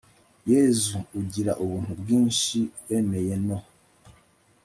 yezu ugira ubuntu bwinshi, wemeye no